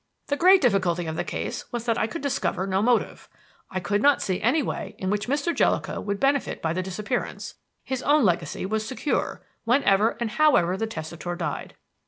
The great difficulty of the case was that I could discover no motive. I could not see any way in which Mr. Jellicoe would benefit by the disappearance. His own legacy was secure, whenever and however the testator died.